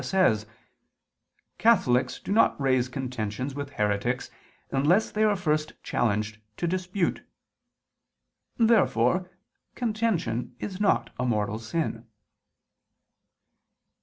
says: "Catholics do not raise contentions with heretics, unless they are first challenged to dispute." Therefore contention is not a mortal sin.